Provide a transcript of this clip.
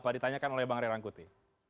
ditanyakan oleh bang rerangkuti